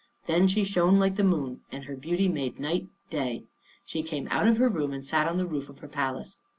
Then she shone like the moon and her beauty made night day. She came out of her room and sat on the roof of her palace.